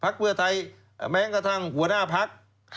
เพื่อไทยแม้กระทั่งหัวหน้าพัก